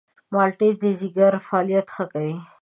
مالټې د ځيګر فعالیت ښه کوي.